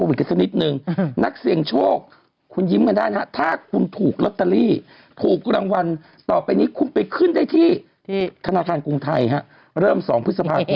อันนี้แหละคือความน่าตัว